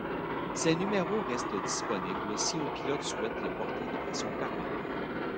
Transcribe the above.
Ces numéros restent disponibles si un pilote souhaite le porter de façon permanente.